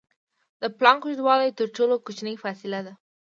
د پلانک اوږدوالی تر ټولو کوچنۍ فاصلې ده.